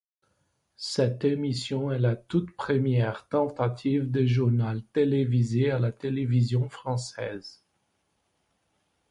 Cette émission est la toute première tentative de journal télévisé à la télévision française.